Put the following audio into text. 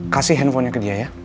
kasih handphonenya ke dia ya